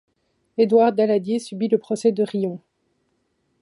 Édouard Daladier subit le procès de Riom.